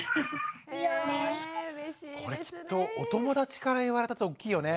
これきっとお友達から言われたっておっきいよね。